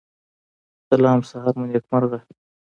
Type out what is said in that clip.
سلام سهار مو نیکمرغه